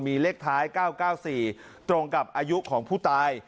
มีเลขท้าย๙๙๔ตรงกับอายุของผู้ตาย